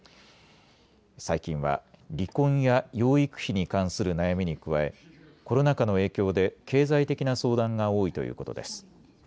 最近は離婚や養育費に関する悩みに加え、コロナ禍の影響で経済的な相談が多いということです。